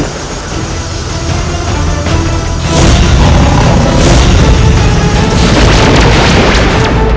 sampai sampai semuanya menjadi saya